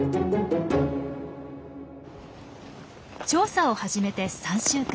調査を始めて３週間。